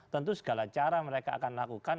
tentu segala cara mereka akan lakukan